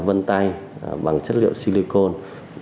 vân tay bằng chất liệu silicone